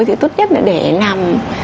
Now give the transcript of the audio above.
thì tốt nhất là để làm